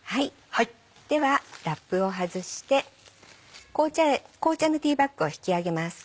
ではラップを外して紅茶のティーバッグを引き上げます。